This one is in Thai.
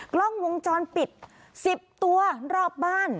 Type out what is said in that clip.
กล้องวงจรปิด๑๐ตัวรอบบ้าน